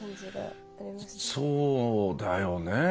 そうだよね。